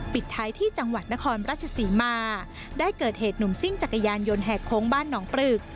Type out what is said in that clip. ปิดท้ายที่จังหวัดนครราชศรีมาได้เกิดเหตุหนุ่มซิ่งจักรยานยนต์แหกโค้งบ้านหนองปรึก